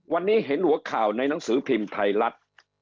วันนี้เห็นหัวข่าวในหนังสือพิมพ์ไทยรัฐ